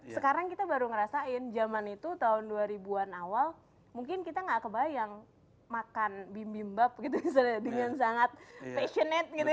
sekarang kita baru ngerasain jaman itu tahun dua ribu an awal mungkin kita gak kebayang makan bim bim bab gitu misalnya dengan sangat passionate gitu ya